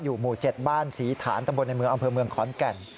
หมู่๗บ้านศรีฐานตำบลในเมืองอำเภอเมืองขอนแก่น